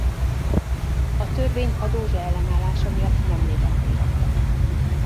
A törvény a dózse ellenállása miatt nem lépett életbe.